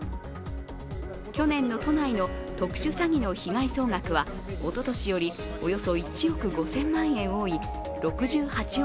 去年の都内の特殊詐欺の被害総額はおととしよりおよそ１億５０００万円多い６８億